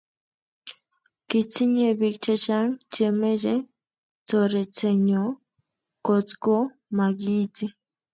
Kitinye biik chechang chemechee toretenyo kotgo magiiti